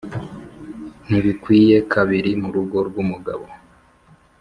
ntibikwiye kabiri mu rugo rw’umugabo